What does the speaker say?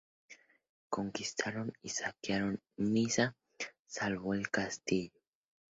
Conquistaron y saquearon Niza, salvo el castillo.